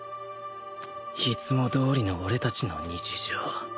いつもどおりの俺たちの日常